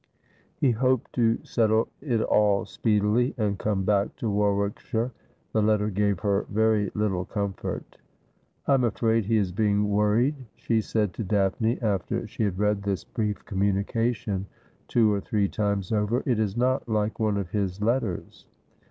He hoped to settle it all speedily, and come back to Warwickshire. The letter gave her very little comfort. ' I am afraid he is being worried,' she said to Daphne, after 'And come agen, be it hy Day or Night.' 251 she had read this brief communication two or three times over. ' It is not Uke one of bis letters.'